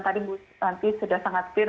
tadi bu nanti sudah sangat clear